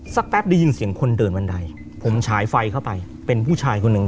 แป๊บได้ยินเสียงคนเดินบันไดผมฉายไฟเข้าไปเป็นผู้ชายคนหนึ่ง